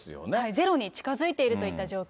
ゼロに近づいているといった状況。